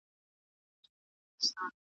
تريخ ژوندانه ته مې اورونه او لمبې نه راځي